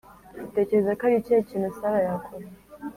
Utekereza ko ari ikihe kintu Sarah yakora?